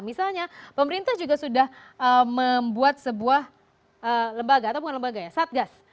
misalnya pemerintah juga sudah membuat sebuah satgas